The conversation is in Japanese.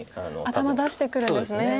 頭出してくるんですね。